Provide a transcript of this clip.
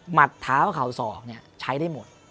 หมัดท้าข่าวสอกใช้ได้หมด